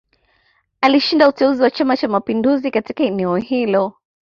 Alishinda uteuzi wa Chama Cha Mapinduzi katika eneo hilo